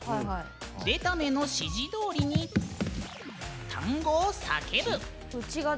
出た目の指示どおりに単語を叫ぶ。